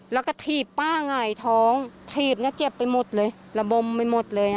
แล้วก็ถีบป้าหงายท้องถีบเจ็บไปหมดเลยระบมไปหมดเลย